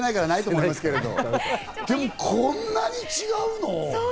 でもこんなに違うの？